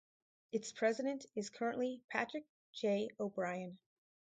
Its president is currently Patrick J. O'Brien.